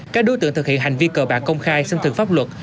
các đối tượng thực hiện hành vi cờ bạc công khai sinh thực pháp luật